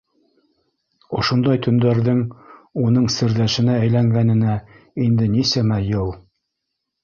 Ошондай төндәрҙең уның серҙәшенә әйләнгәненә инде нисәмә йыл.